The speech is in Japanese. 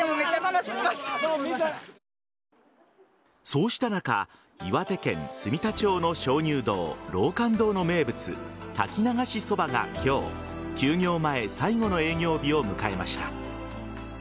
そうした中岩手県住田町の鍾乳洞滝観洞の名物滝流しそばが今日、休業前最後の営業日を迎えました。